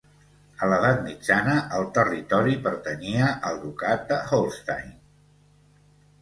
A l'edat mitjana el territori pertanyia al ducat de Holstein.